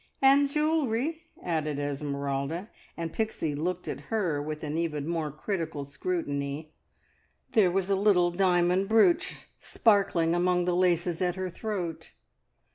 "And jewellery!" added Esmeralda; and Pixie looked at her with an even more critical scrutiny. There was a little diamond brooch sparkling among the laces at her throat.